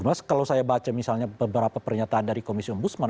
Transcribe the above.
nah kalau saya baca misalnya beberapa pernyataan dari komisi om busman